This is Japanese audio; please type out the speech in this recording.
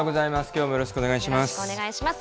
きょうもよろしくお願いします。